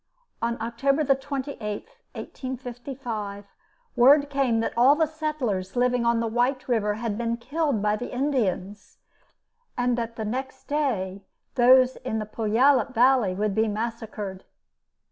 On October 28, 1855, word came that all the settlers living on White River had been killed by the Indians and that the next day those in the Puyallup valley would be massacred.